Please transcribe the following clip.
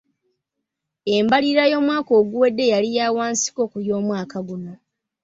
Embalirira y'omwaka oguwedde yali ya wansiko ku y'omwaka guno.